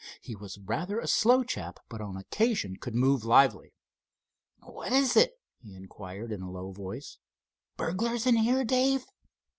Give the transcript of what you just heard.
He was rather a slow chap, but on occasions could move lively. "What is it?" he inquired in a low voice. "Burglars in here, Dave?"